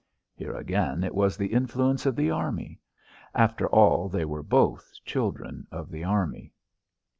Here again it was the influence of the army. After all they were both children of the army.